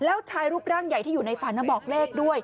แล้วชายรูปร่างใหญ่ที่อยู่ในฝันบอกเลขด้วย